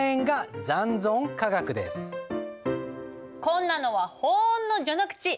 こんなのはほんの序の口。